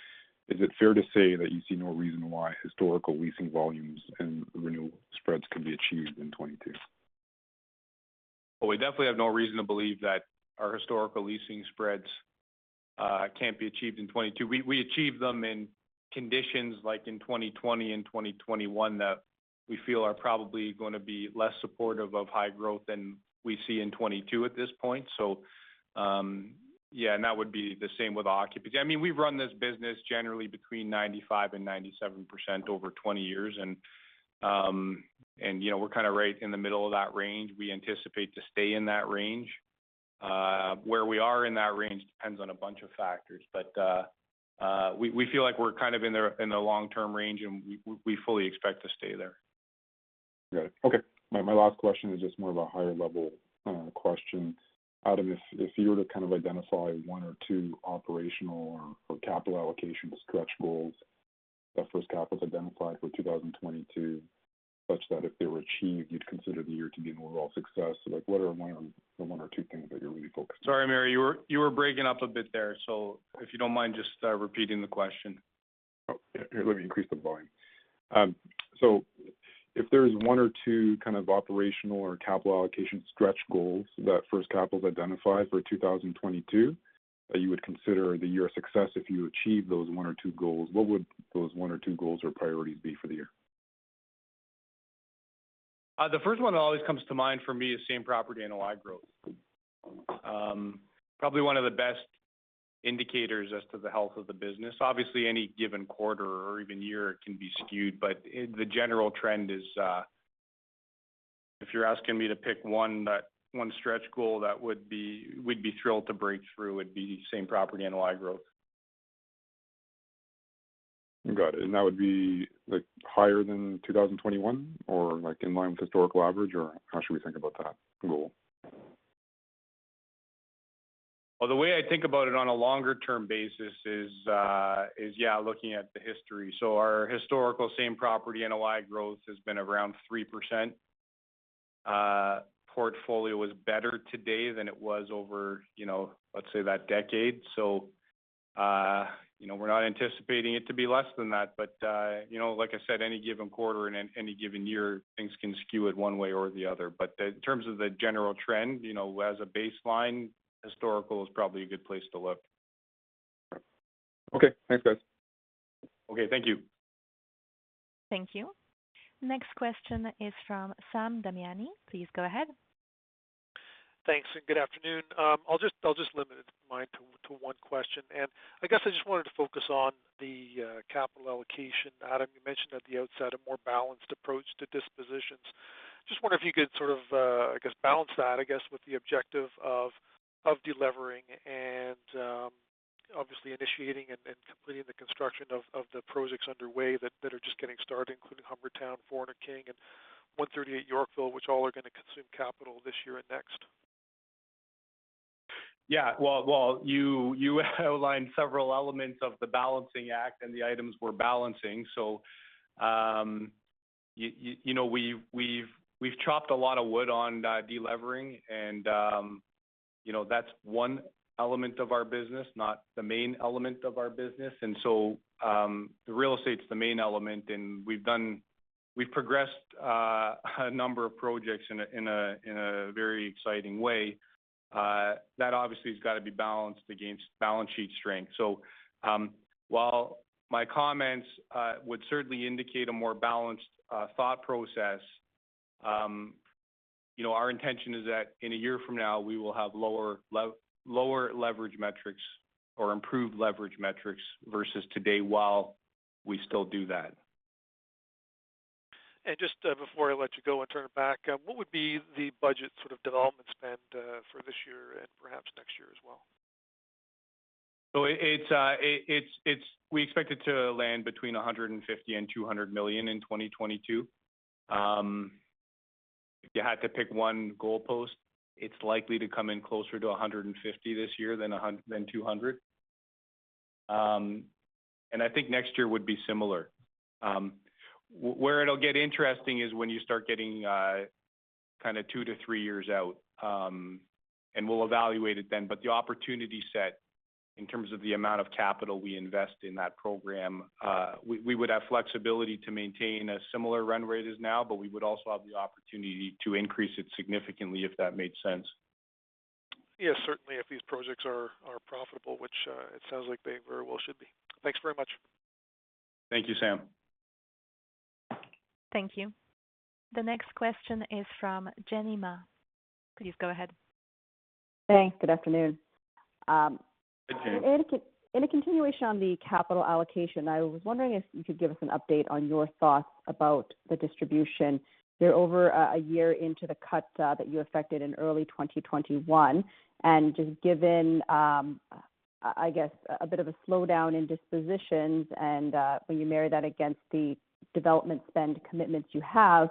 is it fair to say that you see no reason why historical leasing volumes and renewal spreads can be achieved in 2022? Well, we definitely have no reason to believe that our historical leasing spreads can't be achieved in 2022. We achieved them in conditions like in 2020 and 2021 that we feel are probably gonna be less supportive of high growth than we see in 2022 at this point. Yeah, and that would be the same with occupancy. I mean, we've run this business generally between 95% and 97% over 20 years, and you know, we're kind of right in the middle of that range. We anticipate to stay in that range. Where we are in that range depends on a bunch of factors, but we feel like we're kind of in the long-term range, and we fully expect to stay there. Got it. Okay. My last question is just more of a higher level question. Adam, if you were to kind of identify one or two operational or capital allocation stretch goals that First Capital identified for 2022, such that if they were achieved, you'd consider the year to be an overall success. Like, what are one or two things that you're really focused on? Sorry, Mario, you were breaking up a bit there. If you don't mind just repeating the question. Oh, yeah. Here, let me increase the volume. If there's one or two kind of operational or capital allocation stretch goals that First Capital's identified for 2022 that you would consider the year a success if you achieve those one or two goals, what would those one or two goals or priorities be for the year? The first one that always comes to mind for me is same property NOI growth. Probably one of the best indicators as to the health of the business. Obviously, any given quarter or even year can be skewed, but the general trend is, if you're asking me to pick one stretch goal that would be we'd be thrilled to break through would be same property NOI growth. Got it. That would be, like, higher than 2021 or, like, in line with historical average, or how should we think about that goal? Well, the way I think about it on a longer term basis is yeah, looking at the history. Our historical same property NOI growth has been around 3%. Portfolio is better today than it was over, you know, let's say that decade. You know, we're not anticipating it to be less than that. You know, like I said, any given quarter and any given year, things can skew it one way or the other. In terms of the general trend, you know, as a baseline, historical is probably a good place to look. Okay. Thanks, guys. Okay. Thank you. Thank you. Next question is from Sam Damiani. Please go ahead. Thanks, and good afternoon. I'll just limit mine to one question. I guess I just wanted to focus on the capital allocation. Adam, you mentioned at the outset a more balanced approach to dispositions. Just wonder if you could sort of, I guess balance that, I guess with the objective of delevering and obviously initiating and completing the construction of the projects underway that are just getting started, including Humbertown, Four & King and 138 Yorkville, which all are gonna consume capital this year and next. Yeah. Well, you outlined several elements of the balancing act and the items we're balancing. You know, we've chopped a lot of wood on delevering and, you know, that's one element of our business, not the main element of our business. The real estate's the main element, and we've progressed a number of projects in a very exciting way that obviously has got to be balanced against balance sheet strength. While my comments would certainly indicate a more balanced thought process, you know, our intention is that in a year from now, we will have lower leverage metrics or improved leverage metrics versus today while we still do that. Just before I let you go and turn it back, what would be the budget sort of development spend for this year and perhaps next year as well? We expect it to land between 150 million and 200 million in 2022. If you had to pick one goalpost, it's likely to come in closer to 150 million this year than 200 million. I think next year would be similar. Where it'll get interesting is when you start getting kind of two-three years out, and we'll evaluate it then. The opportunity set in terms of the amount of capital we invest in that program. We would have flexibility to maintain a similar run rate as now, but we would also have the opportunity to increase it significantly if that made sense. Yes. Certainly if these projects are profitable, which it sounds like they very well should be. Thanks very much. Thank you, Sam. Thank you. The next question is from Jenny Ma. Please go ahead. Hey, good afternoon. Good day. In a continuation on the capital allocation, I was wondering if you could give us an update on your thoughts about the distribution. You're over a year into the cuts that you affected in early 2021. Just given, I guess a bit of a slowdown in dispositions. When you marry that against the development spend commitments you have,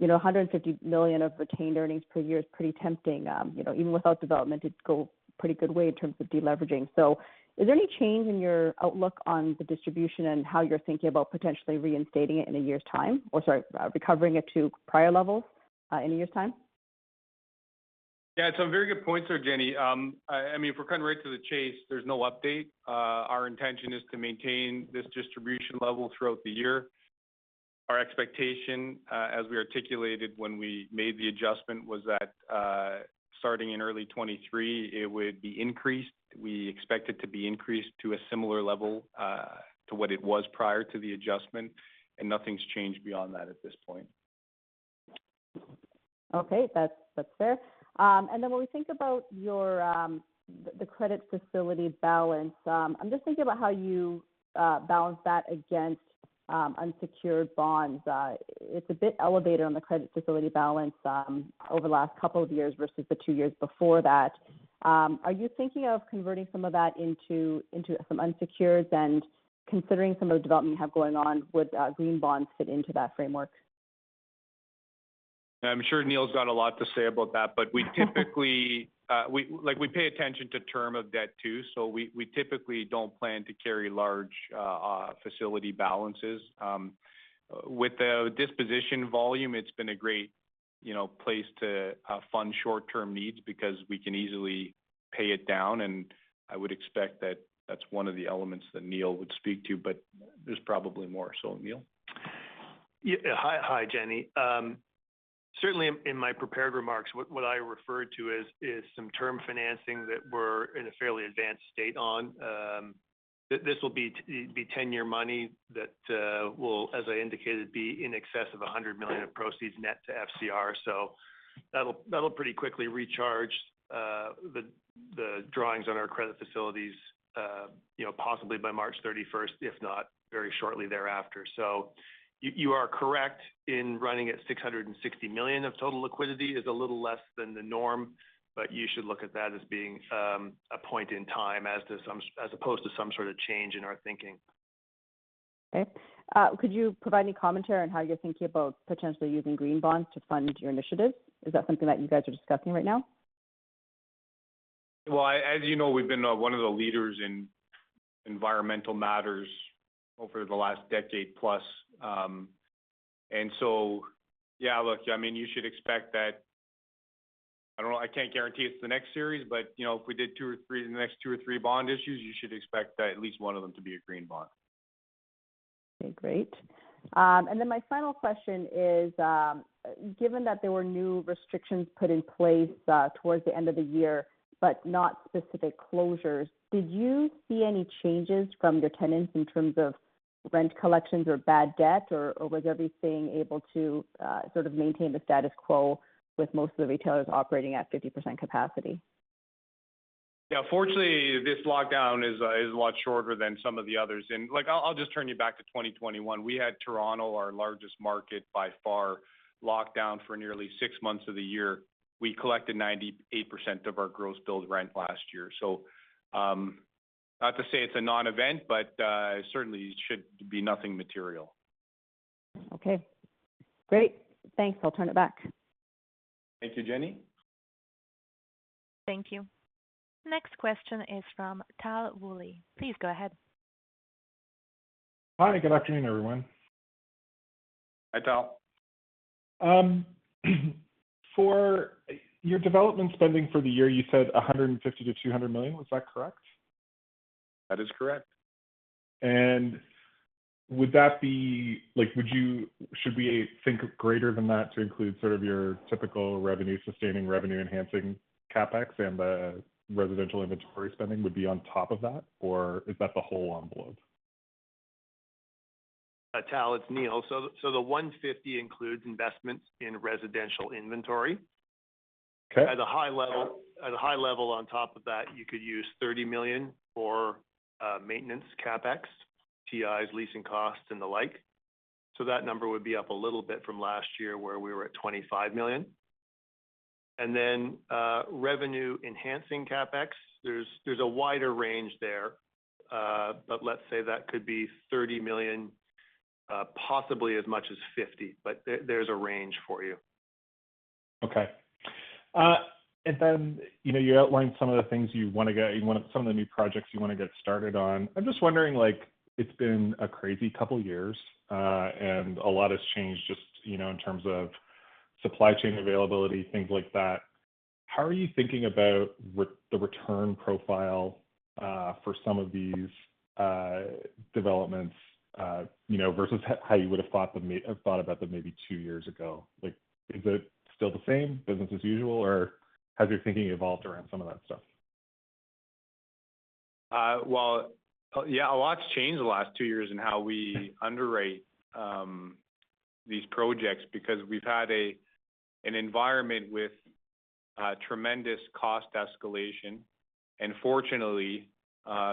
you know, 150 million of retained earnings per year is pretty tempting. You know, even without development, it'd go pretty good way in terms of de-leveraging. Is there any change in your outlook on the distribution and how you're thinking about potentially reinstating it in a year's time? Or sorry, recovering it to prior levels in a year's time? Yeah. Some very good points there, Jenny. I mean, if we're cutting right to the chase, there's no update. Our intention is to maintain this distribution level throughout the year. Our expectation, as we articulated when we made the adjustment, was that, starting in early 2023, it would be increased. We expect it to be increased to a similar level, to what it was prior to the adjustment, and nothing's changed beyond that at this point. Okay. That's fair. When we think about your, the credit facility balance, I'm just thinking about how you balance that against unsecured bonds. It's a bit elevated on the credit facility balance over the last couple of years versus the two years before that. Are you thinking of converting some of that into some unsecured then considering some of the development you have going on, would green bonds fit into that framework? I'm sure Neil's got a lot to say about that, but typically, like, we pay attention to term of debt too, so we typically don't plan to carry large facility balances. With the disposition volume, it's been a great, you know, place to fund short-term needs because we can easily pay it down, and I would expect that that's one of the elements that Neil would speak to, but there's probably more. Neil. Yeah. Hi, Jenny. Certainly in my prepared remarks, what I referred to as short-term financing that we're in a fairly advanced state on, this will be 10-year money that will, as I indicated, be in excess of 100 million of proceeds net to FCR. That'll pretty quickly recharge the drawings on our credit facilities, you know, possibly by March 31st, if not very shortly thereafter. You are correct; running at 660 million of total liquidity is a little less than the norm, but you should look at that as being a point in time as opposed to some sort of change in our thinking. Okay. Could you provide any commentary on how you're thinking about potentially using green bonds to fund your initiatives? Is that something that you guys are discussing right now? Well, as you know, we've been one of the leaders in environmental matters over the last decade plus. Yeah, look, I mean, you should expect that. I don't know, I can't guarantee it's the next series, but, you know, if we did two or three in the next two or three bond issues, you should expect at least one of them to be a green bond. Okay, great. Then my final question is, given that there were new restrictions put in place toward the end of the year, but not specific closures, did you see any changes from your tenants in terms of rent collections or bad debt, or was everything able to sort of maintain the status quo with most of the retailers operating at 50% capacity? Yeah. Fortunately, this lockdown is a lot shorter than some of the others. Like, I'll just turn you back to 2021. We had Toronto, our largest market by far, locked down for nearly six months of the year. We collected 98% of our gross billed rent last year. Not to say it's a non-event, but certainly it should be nothing material. Okay. Great. Thanks. I'll turn it back. Thank you, Jenny. Thank you. Next question is from Tal Woolley. Please go ahead. Hi. Good afternoon, everyone. Hi, Tal. For your development spending for the year, you said 150 million-200 million. Was that correct? That is correct. Should we think greater than that to include sort of your typical revenue, sustaining revenue, enhancing CapEx and the residential inventory spending would be on top of that, or is that the whole envelope? Tal, it's Neil. The 150 includes investments in residential inventory. Okay. At a high level on top of that, you could use 30 million for maintenance CapEx, TIs, leasing costs, and the like. That number would be up a little bit from last year where we were at 25 million. Revenue enhancing CapEx, there's a wider range there. Let's say that could be 30 million, possibly as much as 50 million, but there's a range for you. You know, you outlined some of the things you want some of the new projects you wanna get started on. I'm just wondering, like, it's been a crazy couple of years, and a lot has changed just, you know, in terms of supply chain availability, things like that. How are you thinking about the return profile for some of these developments, you know, versus how you would have thought about them maybe two years ago? Like, is it still the same, business as usual, or has your thinking evolved around some of that stuff? A lot's changed the last two years in how we underwrite these projects because we've had an environment with tremendous cost escalation, and fortunately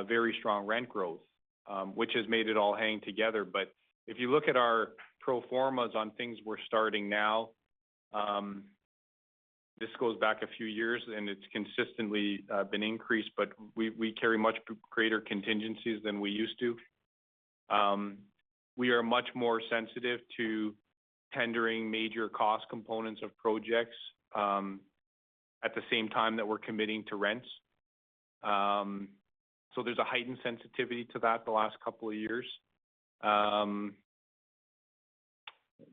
very strong rent growth which has made it all hang together. But if you look at our pro formas on things we're starting now. This goes back a few years, and it's consistently been increased, but we carry much greater contingencies than we used to. We are much more sensitive to tendering major cost components of projects at the same time that we're committing to rents. There's a heightened sensitivity to that the last couple of years.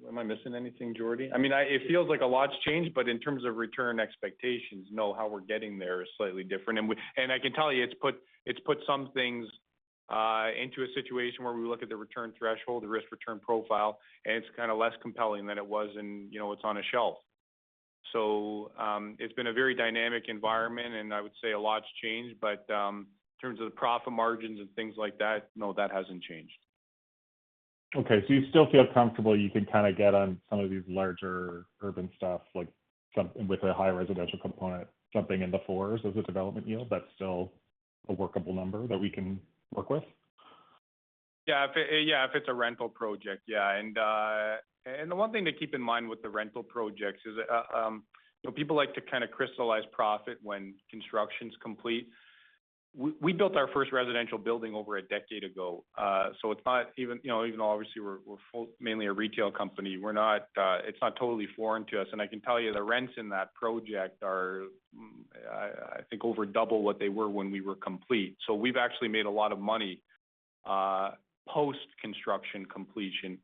Am I missing anything, Jordy? I mean, it feels like a lot's changed, but in terms of return expectations, you know how we're getting there is slightly different. I can tell you, it's put some things into a situation where we look at the return threshold, the risk-return profile, and it's kind of less compelling than it was in, you know, it's on a shelf. It's been a very dynamic environment, and I would say a lot's changed, but in terms of the profit margins and things like that, no, that hasn't changed. Okay, you still feel comfortable you can kind of get on some of these larger urban stuff like with a high residential component, jumping in the fours as a development yield? That's still a workable number that we can work with? Yeah, if it's a rental project, yeah. The one thing to keep in mind with the rental projects is, you know, people like to kind of crystallize profit when construction's complete. We built our first residential building over a decade ago, so it's not even, you know, even though obviously we're mainly a retail company, we're not, it's not totally foreign to us. I can tell you the rents in that project are, I think over double what they were when we were complete. We've actually made a lot of money, post-construction completion.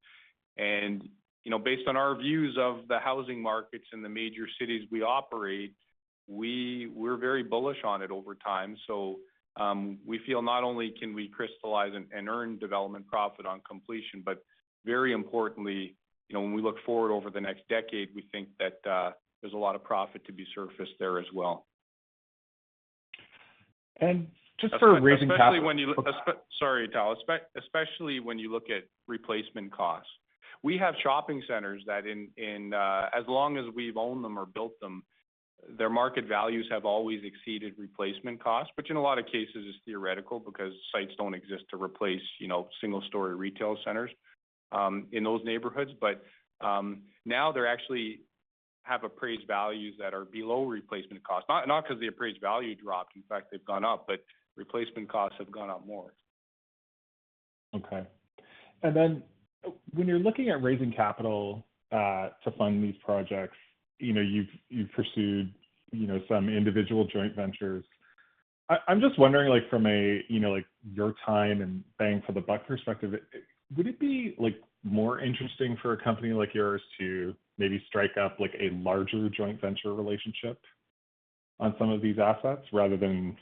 You know, based on our views of the housing markets in the major cities we operate, we're very bullish on it over time. We feel not only can we crystallize and earn development profit on completion, but very importantly, you know, when we look forward over the next decade, we think that there's a lot of profit to be surfaced there as well. Just for raising capital. Especially when you look at replacement costs. Sorry, Tal. We have shopping centers that as long as we've owned them or built them, their market values have always exceeded replacement costs, which in a lot of cases is theoretical because sites don't exist to replace, you know, single-story retail centers in those neighborhoods. Now they actually have appraised values that are below replacement costs. Not 'cause the appraised value dropped, in fact, they've gone up, but replacement costs have gone up more. Okay. When you're looking at raising capital to fund these projects, you know, you've pursued some individual joint ventures. I'm just wondering, like from a, you know, like your time and bang for the buck perspective, would it be like more interesting for a company like yours to maybe strike up like a larger joint venture relationship on some of these assets rather than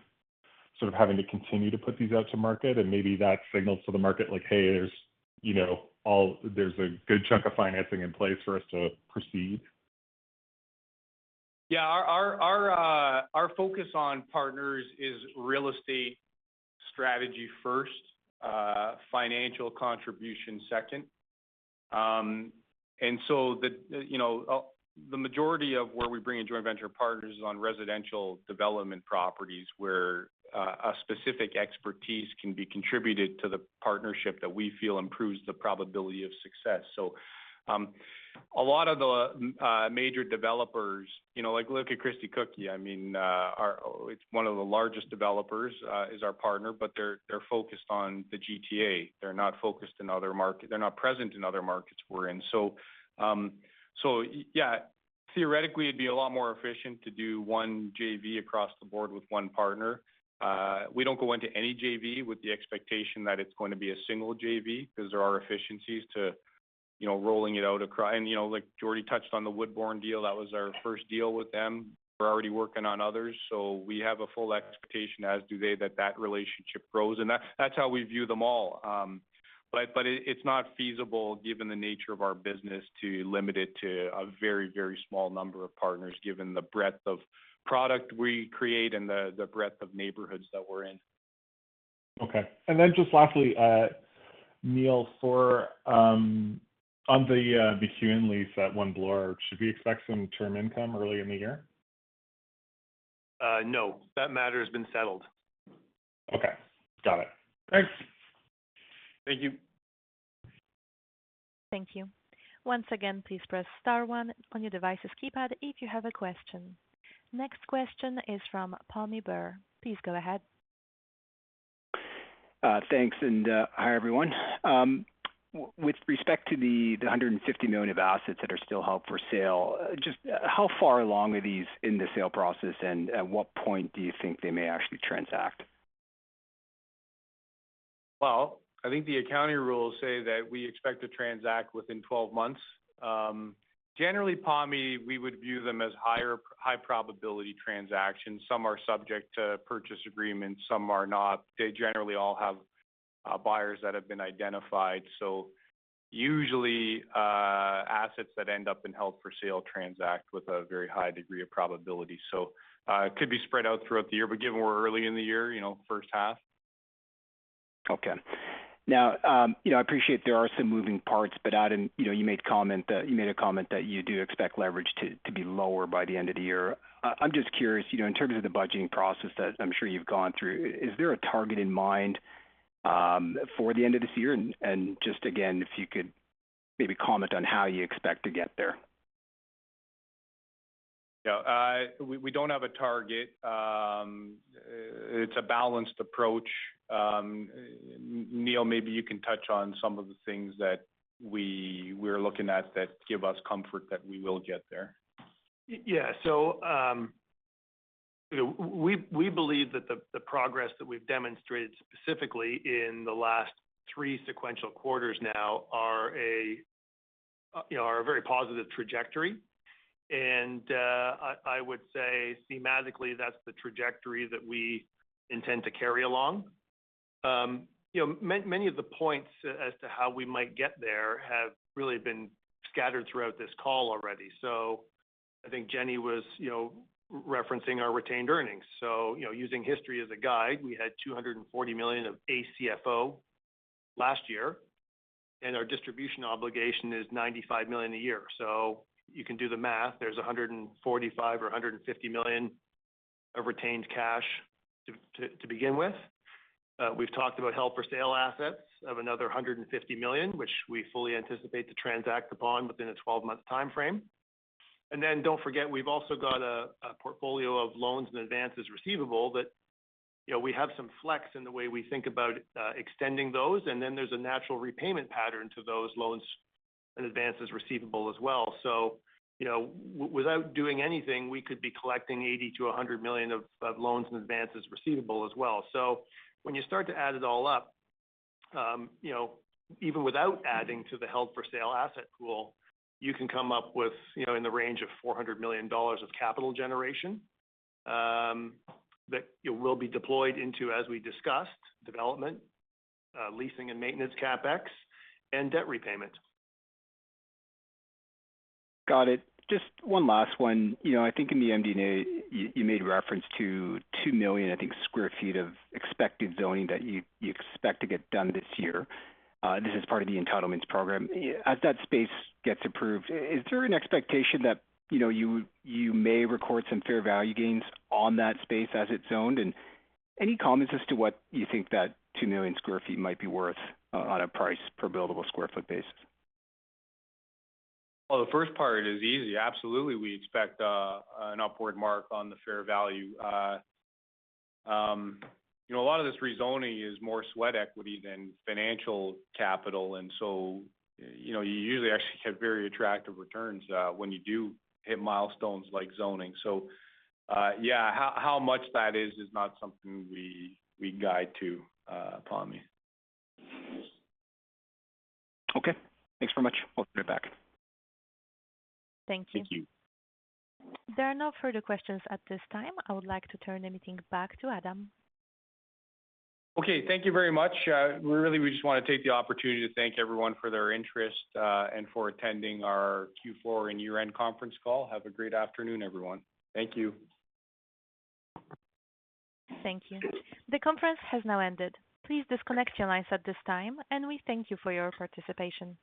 sort of having to continue to put these out to market and maybe that signals to the market like, "Hey, there's, you know, there's a good chunk of financing in place for us to proceed"? Yeah. Our focus on partners is real estate strategy first, financial contribution second. The majority of where we bring in joint venture partners is on residential development properties where a specific expertise can be contributed to the partnership that we feel improves the probability of success. A lot of the major developers, you know, look at Christie Cookie here. I mean, it's one of the largest developers is our partner, but they're focused on the GTA. They're not focused in other market. They're not present in other markets we're in. Yeah, theoretically, it'd be a lot more efficient to do one JV across the board with one partner. We don't go into any JV with the expectation that it's going to be a single JV 'cause there are efficiencies to, you know, rolling it out across. You know, like Jordy touched on the Woodbourne deal, that was our first deal with them. We're already working on others, so we have a full expectation, as do they, that that relationship grows. That, that's how we view them all. But it's not feasible, given the nature of our business to limit it to a very, very small number of partners, given the breadth of product we create and the breadth of neighborhoods that we're in. Okay. Then just lastly, Neil, on the BR lease at One Bloor, should we expect some rent income early in the year? No, that matter has been settled. Okay. Got it. Thanks. Thank you. Thank you. Once again, please press star one on your device's keypad if you have a question. Next question is from Pammi Bir. Please go ahead. Thanks, hi, everyone. With respect to the 150 million of assets that are still held for sale, just how far along are these in the sale process, and at what point do you think they may actually transact? I think the accounting rules say that we expect to transact within 12 months. Generally, Pammi, we would view them as high probability transactions. Some are subject to purchase agreements, some are not. They generally all have buyers that have been identified. Usually, assets that end up in held for sale transact with a very high degree of probability. It could be spread out throughout the year, but given we're early in the year, you know, first half. Okay. Now, you know, I appreciate there are some moving parts, but you made a comment that you do expect leverage to be lower by the end of the year. I'm just curious, you know, in terms of the budgeting process that I'm sure you've gone through, is there a target in mind for the end of this year? And just again, if you could maybe comment on how you expect to get there. Yeah, we don't have a target. It's a balanced approach. Neil, maybe you can touch on some of the things that we're looking at that give us comfort that we will get there. Yeah. You know, we believe that the progress that we've demonstrated specifically in the last three sequential quarters now are a very positive trajectory. I would say schematically, that's the trajectory that we intend to carry along. You know, many of the points as to how we might get there have really been scattered throughout this call already. I think Jenny was, you know, referencing our retained earnings. You know, using history as a guide, we had 240 million of ACFO last year, and our distribution obligation is 95 million a year. You can do the math. There's 145 million or 150 million of retained cash to begin with. We've talked about held for sale assets of another 150 million, which we fully anticipate to transact upon within a 12-month timeframe. Don't forget, we've also got a portfolio of loans and advances receivable that, you know, we have some flex in the way we think about extending those. There's a natural repayment pattern to those loans and advances receivable as well. You know, without doing anything, we could be collecting 80 million-100 million of loans and advances receivable as well. When you start to add it all up, you know, even without adding to the held for sale asset pool, you can come up with, you know, in the range of 400 million dollars of capital generation, that will be deployed into, as we discussed, development, leasing and maintenance CapEx, and debt repayment. Got it. Just one last one. You know, I think in the MD&A, you made reference to 2 million, I think, sq ft of expected zoning that you expect to get done this year. This is part of the entitlements program. As that space gets approved, is there an expectation that, you know, you may record some fair value gains on that space as it's zoned? And any comments as to what you think that 2 million sq ft might be worth on a price per buildable sq ft basis? Well, the first part is easy. Absolutely, we expect an upward mark on the fair value. You know, a lot of this rezoning is more sweat equity than financial capital, and so, you know, you usually actually have very attractive returns when you do hit milestones like zoning. Yeah, how much that is is not something we guide to, Pammi. Okay. Thanks very much. We'll turn it back. Thank you. Thank you. There are no further questions at this time. I would like to turn the meeting back to Adam. Okay, thank you very much. Really, we just want to take the opportunity to thank everyone for their interest, and for attending our Q4 and year-end conference call. Have a great afternoon, everyone. Thank you. Thank you. The conference has now ended. Please disconnect your lines at this time, and we thank you for your participation.